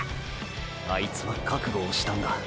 あいつは覚悟をしたんだ。